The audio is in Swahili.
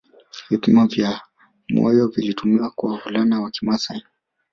Vipimo vya moyo vilitumiwa kwa wavulana wa kimasai